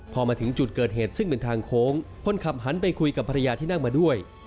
พอมาถึงจุดเกิดเหตุซึ่งเป็นทางโค้งคนขับหันไปคุยกับภรรยาที่นั่งมาด้วย